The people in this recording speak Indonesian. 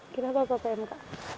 kenapa pak pmk